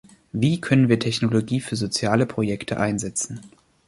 Wie können wir Technologie für soziale Projekte einsetzen?